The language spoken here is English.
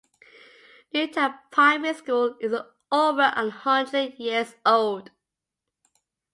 New Town Primary School is over a hundred years old.